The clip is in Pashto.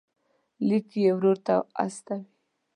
لیک یې ورور ته استوي.